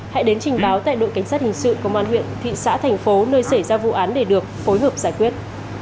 hãy đến trình báo tại đội cảnh sát hình sự công an huyện thị xã thành phố nơi xảy ra vụ án để được phối hợp giải quyết